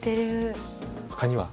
ほかには？